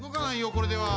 これでは。